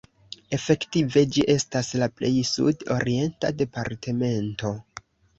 Efektive ĝi estas la plej sud-orienta departemento.